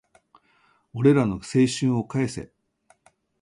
俺らの青春を返せ